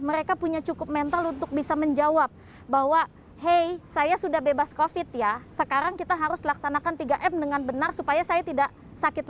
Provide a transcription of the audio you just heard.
mereka punya cukup mental untuk bisa menjawab bahwa hey saya sudah bebas covid ya sekarang kita harus laksanakan tiga m dengan benar supaya saya tidak sakit